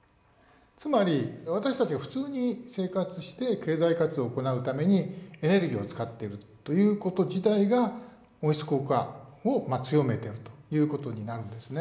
つまり私たちが普通に生活して経済活動を行うためにエネルギーを使っているということ自体が温室効果を強めているということになるんですね。